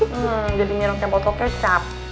hmm jadi mirang sebotol kecap